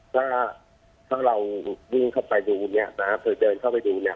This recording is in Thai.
ถ้าถ้าเราวิ่งเข้าไปดูเนี่ยนะคือเดินเข้าไปดูเนี่ย